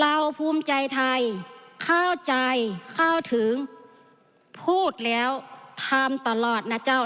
ภูมิใจไทยเข้าใจเข้าถึงพูดแล้วทำตลอดนะเจ้า